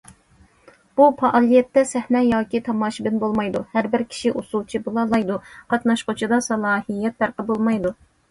بۇ پائالىيەتتە سەھنە ياكى تاماشىبىن بولمايدۇ، ھەربىر كىشى ئۇسسۇلچى بولالايدۇ، قاتناشقۇچىدا سالاھىيەت پەرقى بولمايدۇ.